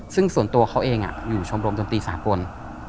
ซึ่งส่วนตัวเขาเองอยู่ชมรมดนตรีสากล